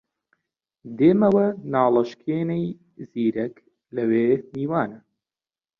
دێمەوە ناڵەشکێنەی زیرەک لەوێ میوانە